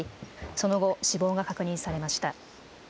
その後、死亡が確認されました。